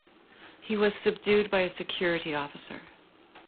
He was subdued by a security officer.